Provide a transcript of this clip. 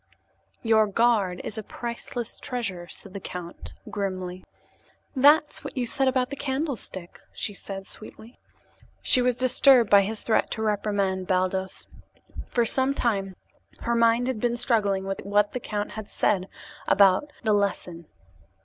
"Your guard is a priceless treasure," said the count grimly. "That's what you said about the candlestick," said she sweetly. She was disturbed by his threat to reprimand Baldos. For some time her mind had been struggling with what the count had said about "the lesson."